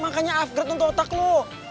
makanya upgrade untuk otak lo